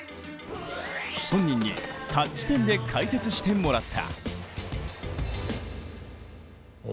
本人にタッチペンで解説してもらった。